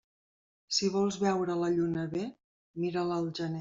Si vols veure la Lluna bé, mira-la al gener.